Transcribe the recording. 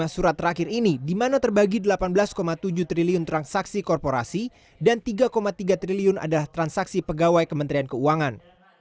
satu ratus tiga puluh lima surat terakhir ini dimana terbagi rp delapan belas tujuh triliun transaksi korporasi dan rp tiga tiga triliun adalah transaksi pegawai kementerian keuangan